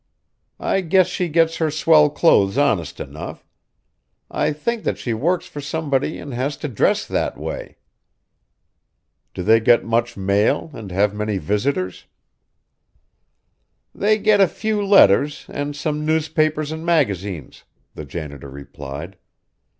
I guess she gets her swell clothes honest enough. I think that she works for somebody and has to dress that way." "Do they get much mail and have many visitors?" "They get a few letters, and some newspapers and magazines," the janitor replied.